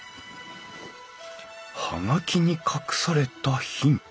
葉書に隠されたヒント。